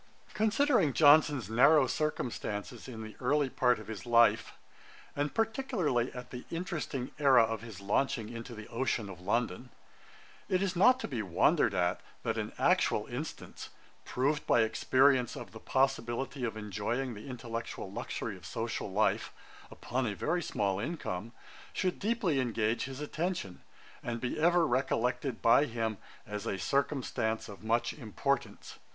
] Considering Johnson's narrow circumstances in the early part of his life, and particularly at the interesting aera of his launching into the ocean of London, it is not to be wondered at, that an actual instance, proved by experience of the possibility of enjoying the intellectual luxury of social life, upon a very small income, should deeply engage his attention, and be ever recollected by him as a circumstance of much importance.